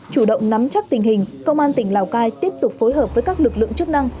chủ động nắm chắc tình hình công an tỉnh lào cai tiếp tục phối hợp với các lực lượng chức năng